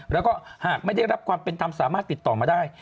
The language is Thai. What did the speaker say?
แล้วก็หากไม่ได้รับความเป็นธรรมสามารถติดต่อมาได้